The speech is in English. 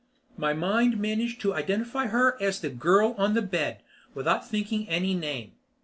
My mind managed to identify her as "The girl on the bed" without thinking any name.